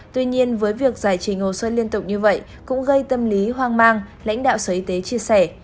tuy nhiên với việc giải trình hồ sơ liên tục như vậy cũng gây tâm lý hoang mang lãnh đạo sở y tế chia sẻ